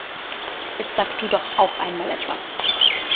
Jetzt sag du doch auch einmal etwas!